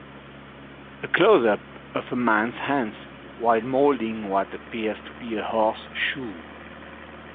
A closeup of a man 's hands while molding what appears to be a horseshoe.